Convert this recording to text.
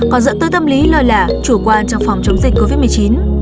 còn dẫn tới tâm lý lời lạ chủ quan trong phòng chống dịch covid một mươi chín